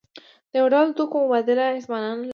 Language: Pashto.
د یو ډول توکو مبادله هیڅ مانا نلري.